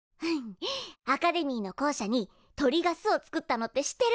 アカデミーの校舎に鳥が巣を作ったのって知ってる？